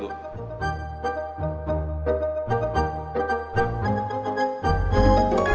wah ini dia